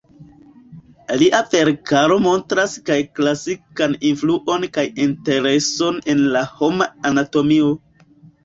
Lia verkaro montras kaj klasikan influon kaj intereson en la homa anatomio.